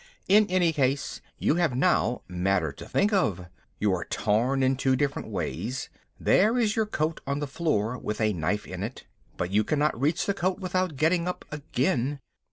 In any case you have now matter to think of. You are torn in two different ways. There is your coat on the floor with a knife in it, but you cannot reach the coat without getting up again.